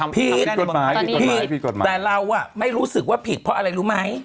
ผิดแต่เราไม่รู้สึกว่าผิดเพราะอะไรรู้ไหม